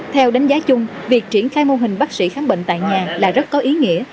theo đánh giá chung việc triển khai mô hình bác sĩ khám bệnh tại nhà là rất có ý nghĩa